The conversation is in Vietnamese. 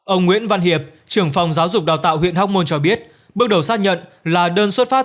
ông nguyễn văn hiệp trưởng phòng giáo dục đào tạo huyện hóc môn cho biết bước đầu xác nhận là đơn xuất phát